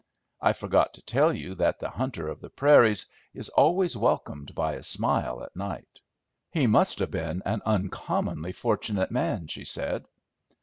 I forgot to tell you that the Hunter of the Prairies is always welcomed by a smile at night." "He must have been an uncommonly fortunate man," she said.